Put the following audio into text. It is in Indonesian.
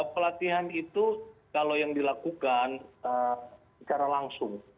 pelatihan itu kalau yang dilakukan secara langsung